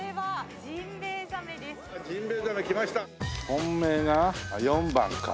本命が４番か。